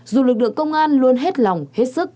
dù lực lượng công an luôn hết lòng hết sức